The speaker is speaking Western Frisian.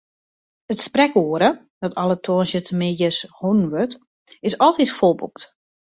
It sprekoere, dat alle tongersdeitemiddeis holden wurdt, is altyd folboekt.